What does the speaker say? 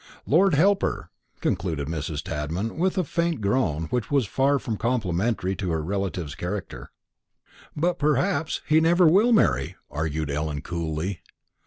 Lord help her!" concluded Mrs. Tadman, with a faint groan, which was far from complimentary to her relative's character. "But perhaps he never will marry," argued Ellen coolly.